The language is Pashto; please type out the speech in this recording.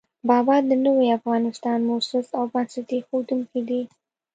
بابا د نوي افغانستان مؤسس او بنسټ اېښودونکی دی.